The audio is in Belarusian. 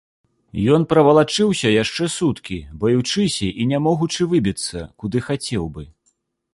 Ён правалачыўся яшчэ суткі, баючыся і не могучы выбіцца, куды хацеў бы.